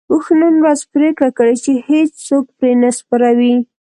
اوښ نن ورځ پرېکړه کړې چې هيڅوک پرې نه سپروي.